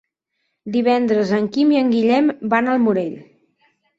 Divendres en Quim i en Guillem van al Morell.